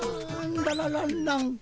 ララランラン。